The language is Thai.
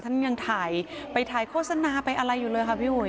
ท่านยังถ่ายไปถ่ายโฆษณาไปอะไรอยู่เลยค่ะพี่อุ๋ย